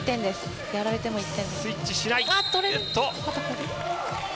やられても１点。